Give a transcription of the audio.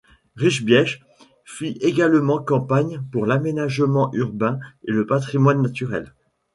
Rischbieth fit également campagne pour l’aménagement urbain et le patrimoine naturel.